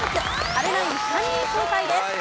阿部ナイン３人正解です。